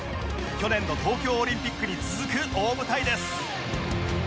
去年の東京オリンピックに続く大舞台です